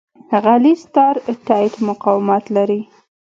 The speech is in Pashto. غلیظ تار ټیټ مقاومت لري.